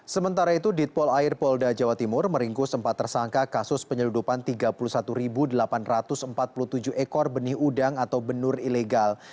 sementara itu ditpol air polda jawa timur meringkus empat tersangka kasus penyeludupan tiga puluh satu delapan ratus empat puluh tujuh ekor benih udang atau benur ilegal